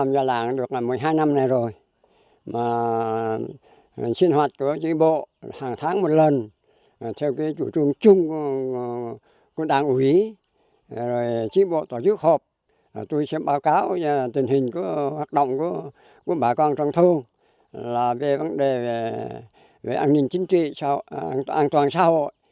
về tri bộ tổ chức họp tuy sẽ báo cáo tình hình hoạt động của bà con trong thôn là về vấn đề an ninh chính trị an toàn xã hội